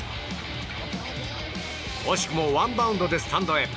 惜しくもワンバウンドでスタンドへ。